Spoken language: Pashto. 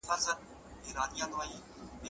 املا د الفاظو د ذخیرې د زیاتوالي یوه وسیله ده.